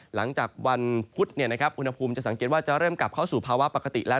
หลังจากวันพุธอุณหภูมิจะสังเกตว่าจะเริ่มกลับเข้าสู่ภาวะปกติแล้ว